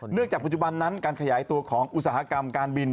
จากปัจจุบันนั้นการขยายตัวของอุตสาหกรรมการบิน